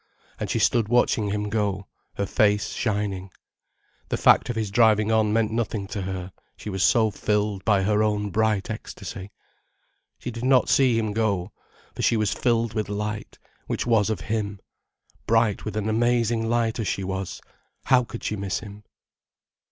And she stood watching him go, her face shining. The fact of his driving on meant nothing to her, she was so filled by her own bright ecstacy. She did not see him go, for she was filled with light, which was of him. Bright with an amazing light as she was, how could she miss him.